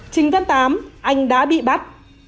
trình văn tám anh đã bị bắt